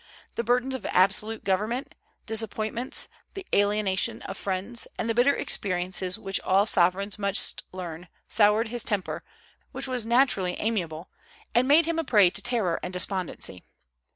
The burdens of absolute government, disappointments, the alienation of friends, and the bitter experiences which all sovereigns must learn soured his temper, which was naturally amiable, and made him a prey to terror and despondency.